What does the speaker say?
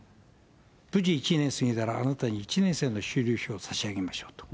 無事１年過ぎたら、あなたに１年生の終了証を差し上げましょうと。